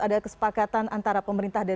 ada kesepakatan antara pemerintah